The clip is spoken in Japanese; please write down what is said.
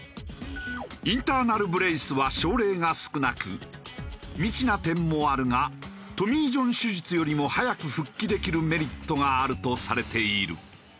インターナル・ブレイスは症例が少なく未知な点もあるがトミー・ジョン手術よりも早く復帰できるメリットがあるとされている。